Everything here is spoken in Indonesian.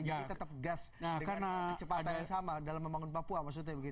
jadi tetap gas dengan kecepatannya sama dalam membangun papua maksudnya begitu